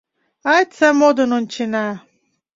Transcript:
Айста модын ончена.